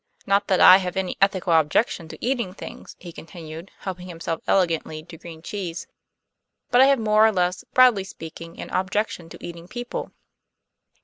Not that I have any ethical objection to eating things," he continued, helping himself elegantly to green cheese. "But I have more or less, broadly speaking, an objection to eating people."